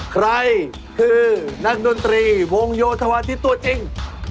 ใครคือนักดนตรีวงโยธวาทิศตัวจริง